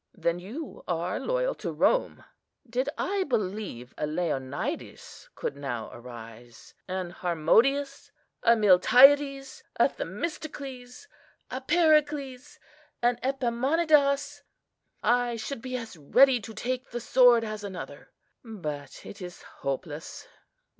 then you are loyal to Rome. Did I believe a Leonidas could now arise, an Harmodius, a Miltiades, a Themistocles, a Pericles, an Epaminondas, I should be as ready to take the sword as another; but it is hopeless.